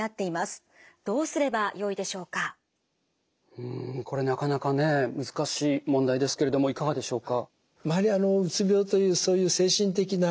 うんこれなかなかね難しい問題ですけれどもいかがでしょうか？